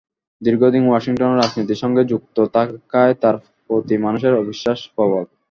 দীর্ঘদিন ওয়াশিংটনের রাজনীতির সঙ্গে যুক্ত থাকায় তাঁর প্রতি মানুষের অবিশ্বাস প্রবল।